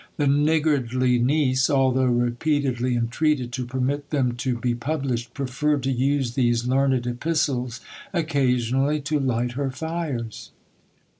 The niggardly niece, although repeatedly entreated to permit them to be published, preferred to use these learned epistles occasionally to light her fires!